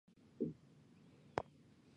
钝叶树棉为锦葵科棉属下的一个变种。